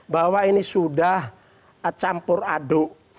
bahwa ini sudah campur aduk